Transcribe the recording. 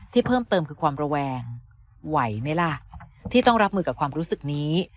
เพิ่มเติมคือความระแวงไหวไหมล่ะที่ต้องรับมือกับความรู้สึกนี้